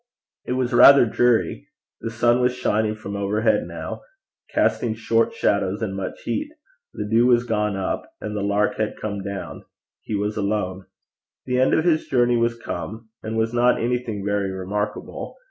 It was rather dreary; the sun was shining from overhead now, casting short shadows and much heat; the dew was gone up, and the lark had come down; he was alone; the end of his journey was come, and was not anything very remarkable.